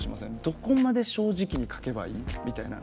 「どこまで正直に書けばいい？」みたいな。